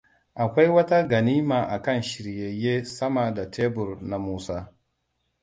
Akwai wata ganima a kan shiryayye sama da tebur na Musa.